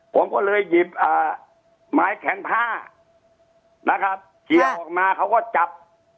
ผมก็เลยหยิบไม้แข็งผ้านะครับเกี่ยวออกมาเขาก็จับ